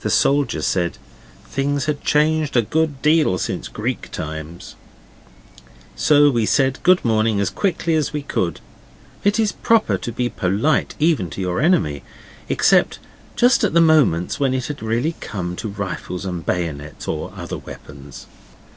The soldier said things had changed a good deal since Greek times. So we said good morning as quickly as we could: it is proper to be polite even to your enemy, except just at the moments when it has really come to rifles and bayonets or other weapons.